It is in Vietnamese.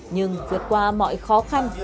nhưng vượt qua mọi khó khăn